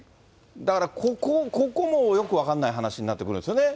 だからここもよく分からない話になってくるんですよね。